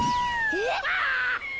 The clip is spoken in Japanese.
えっ！？